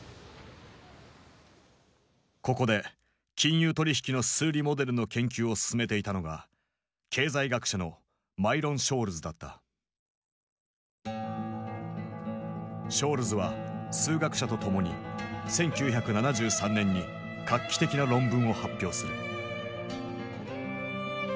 ここで金融取引の数理モデルの研究を進めていたのが経済学者のショールズは数学者と共に１９７３年に画期的な論文を発表する。